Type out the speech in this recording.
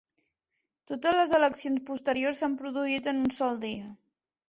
Totes les eleccions posteriors s'han produït en un sol dia.